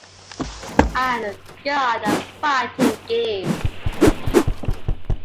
I am the God of fighting games.